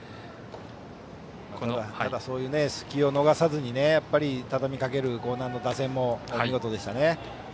そういう隙を逃さずにたたみかける興南の打線も見事でしたね。